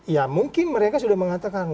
ya mungkin mereka sudah mengatakan